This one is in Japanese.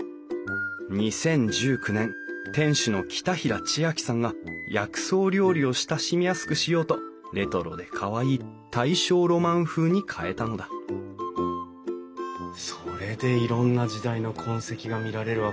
２０１９年店主の北平知亜季さんが薬草料理を親しみやすくしようとレトロでかわいい大正ロマン風に変えたのだそれでいろんな時代の痕跡が見られるわけですね。